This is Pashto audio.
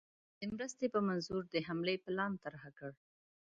د مرستي په منظور حمله پلان طرح کړ.